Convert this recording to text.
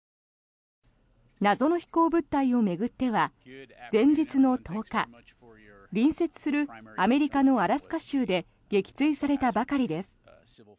謎の飛行物体を巡っては前日の１０日隣接するアメリカのアラスカ州で撃墜されたばかりです。